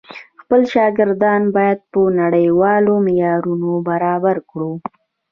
خپل شاګردان بايد په نړيوالو معيارونو برابر کړو.